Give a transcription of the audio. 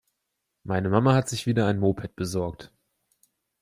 Meine Mama hat sich wieder ein Moped besorgt.